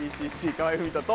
河合郁人と。